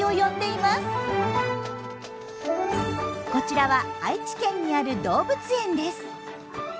こちらは愛知県にある動物園です。